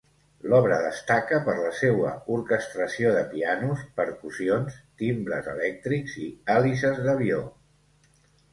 L'obra destaca per la seua orquestració de pianos, percussions, timbres elèctrics i hèlices d'avió.